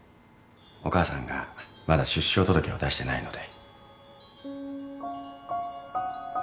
お母さんがまだ出生届を出してないので。